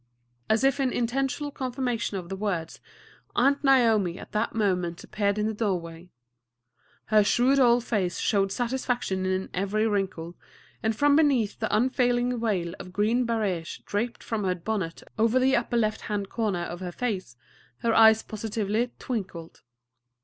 As if in intentional confirmation of the words, Aunt Naomi at that moment appeared in the doorway. Her shrewd old face showed satisfaction in every wrinkle, and from beneath the unfailing veil of green barège draped from her bonnet over the upper left hand corner of her face her eyes positively twinkled.